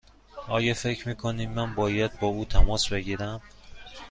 آیا فکر می کنی من باید با او تماس بگیرم؟